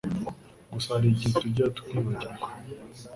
gusa hari igihe tujya twibagirwa